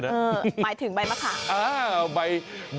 อ้าวใบ